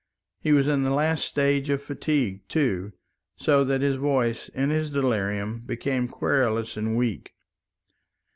He was in the last stage of fatigue, too, so that his voice in his delirium became querulous and weak.